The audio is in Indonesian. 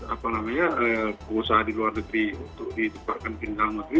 apa namanya pengusaha di luar negeri untuk dideparkan di kental negeri